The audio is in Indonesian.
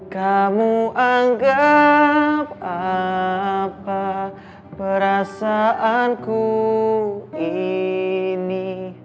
kamu anggap apa perasaanku ini